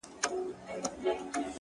په وينو لژنده اغيار وچاته څه وركوي؛